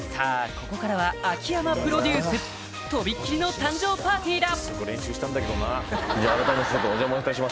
ここからは秋山プロデュースとびっきりの誕生パーティーだ！